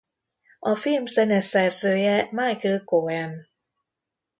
A film zeneszerzője Michael Cohen.